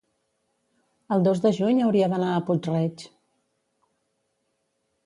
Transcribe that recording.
el dos de juny hauria d'anar a Puig-reig.